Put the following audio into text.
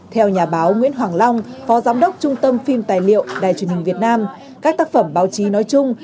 theo nhà báo nguyễn hoàng long phó giám đốc trung tâm phim tài liệu đài truyền hình việt nam các tác phẩm báo chí nói chung